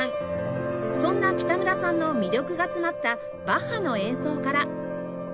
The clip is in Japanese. そんな北村さんの魅力が詰まったバッハの演奏から